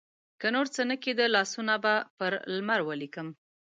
که نورڅه نه کیده، لاسونه به پر لمر ولیکم